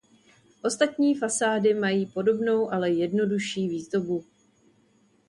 Ostatní fasády mají podobnou ale jednodušší výzdobu.